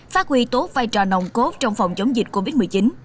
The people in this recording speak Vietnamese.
phát huy tốt vai trò nồng cốt trong phòng chống dịch covid một mươi chín